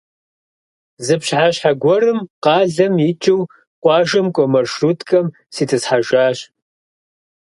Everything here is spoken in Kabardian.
Зы пщыхьэщхьэ гуэрым къалэм икӀыу къуажэм кӀуэ маршруткэм ситӀысхьэжащ.